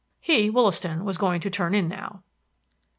He, Wollaston, was going to turn in now.